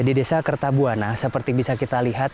di desa kertabuana seperti bisa kita lihat